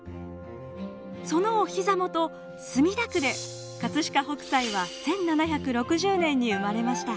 そのお膝元墨田区で飾北斎は１７６０年に生まれました。